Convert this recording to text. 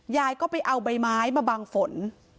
ยายก็ไปเอาใบไม้มาบังฝน